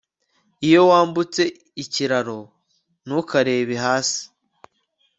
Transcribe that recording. Iyo wambutse ikiraro ntukarebe hasi